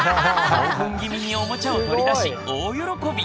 興奮気味におもちゃを取り出し大喜び！